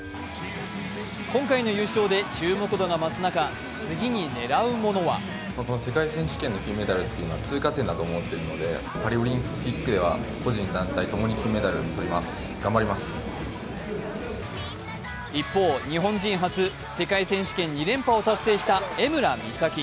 今回の優勝で注目度が増す中、次に狙うものは一方、日本人初世界選手権２連覇を達成した江村美咲。